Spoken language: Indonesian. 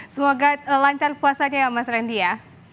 semoga lancar puasanya ya mas randy ya